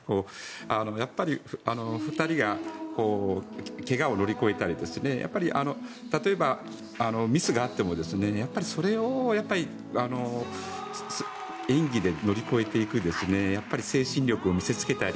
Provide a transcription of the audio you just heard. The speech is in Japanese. やっぱり２人が怪我を乗り越えたり例えば、ミスがあってもそれを演技で乗り越えていく精神力を見せつけたり